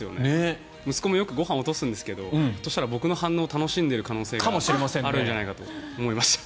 息子もよくご飯を落とすんですけどひょっとしたら僕の反応を楽しんでいる可能性があるんじゃないかと思いました。